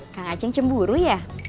kang acing cemburu ya